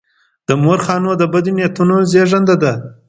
د مورخانو د بدو نیتونو زېږنده ده.